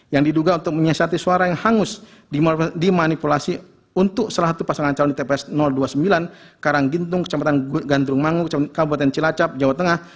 yang diduga untuk menyiasati suara yang hangus dimanipulasi untuk salah satu pasangan calon di tps dua puluh sembilan karanggintung kecamatan gandrung mangu kecamatan cilacap jawa tengah